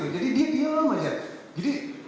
jadi dia berdiam saja